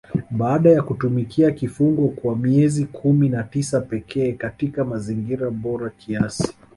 Baada ya kutumikia kifungo kwa miezi kumi na tisa pekee katika mazingira bora kiasi